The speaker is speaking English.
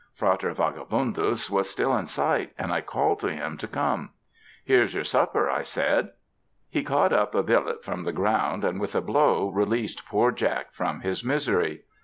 Frater Vagabundus was still in sight, and I called to him to come. "Here's your supper," I said. He caught up a billet from the ground, and with a blow, released poor Jack from his misery.